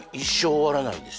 終わらないです